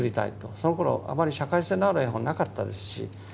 そのころあまり社会性のある絵本なかったですし。